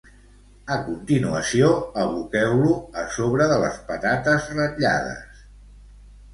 A continuació, aboqueu-lo a sobre de les patates ratllades.